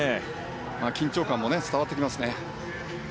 緊張感も伝わってきますね。